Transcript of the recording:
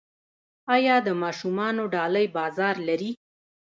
آیا د ماشومانو ډالۍ بازار لري؟